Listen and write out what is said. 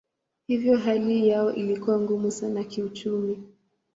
Hivyo hali yao ilikuwa ngumu sana kiuchumi.